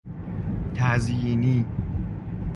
تزیینی